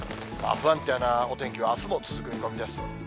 不安定なお天気は、あすも続く見込みです。